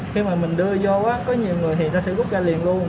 khi mà mình đưa vô á có nhiều người thì ta sẽ rút ra liền luôn